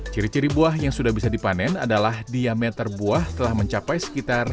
ciri ciri buah yang sudah bisa dipanen adalah diameter buah telah mencapai sekitar